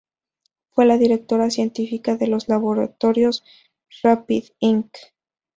Fue la Directora científica de los laboratorios Rapid, Inc.